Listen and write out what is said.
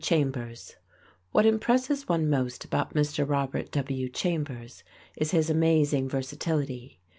Chambers_ TWO What impresses one most about Mr. Robert W. Chambers is his amazing versatility.